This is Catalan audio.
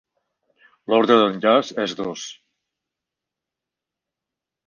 L'ordre d'enllaç és dos.